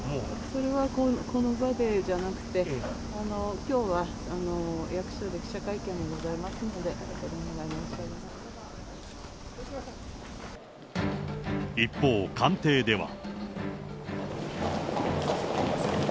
それは、この場でじゃなくて、きょうは役所で記者会見がございますので、そこでお願い申し上げ一方、官邸では。